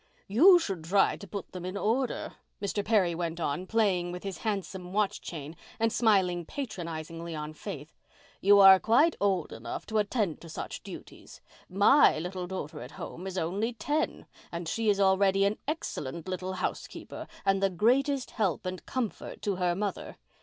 "You should try to put them in order," Mr. Perry went on, playing with his handsome watch chain and smiling patronizingly on Faith. "You are quite old enough to attend to such duties. My little daughter at home is only ten and she is already an excellent little housekeeper and the greatest help and comfort to her mother.